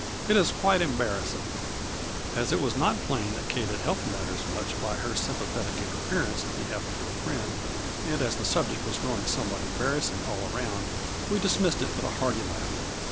It is quite embarrassing.'' As it was not plain that Kate had helped matters much by her sympathetic interference in behalf of her friend, and as the subject was growing somewhat embarrassing all around, we dismissed it with a hearty laugh.